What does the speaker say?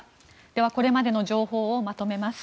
では、これまでの情報をまとめます。